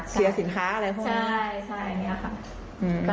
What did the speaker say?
สินค้าอะไรพวกนี้ใช่อย่างนี้ค่ะ